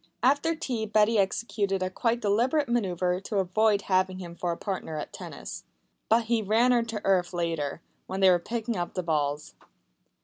After tea Betty executed a quite deliberate manœuvre to avoid having him for a partner at tennis. But he ran her to earth later, when they were picking up the balls.